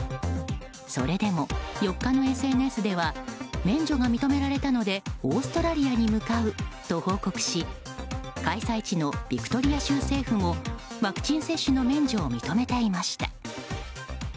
それでも、４日のＳＮＳでは免除が認められたのでオーストラリアに向かうと報告し開催地のビクトリア州政府もワクチン接種の免除を認めていました。